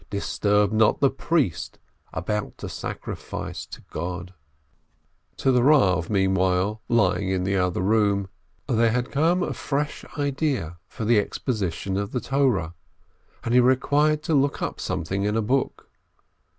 Disturb not the priest about to offer sacri fice to God." To the Rav, meanwhile, lying in the other room, there had come a fresh idea for the exposition of the Torah, and he required to look up something in a book.